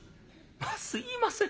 「まあすいません。